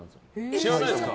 知らないですか？